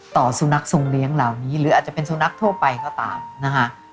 สุนัขทรงเลี้ยงเหล่านี้หรืออาจจะเป็นสุนัขทั่วไปก็ตามนะฮะ